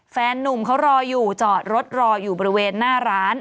นุ่มเขารออยู่จอดรถรออยู่บริเวณหน้าร้าน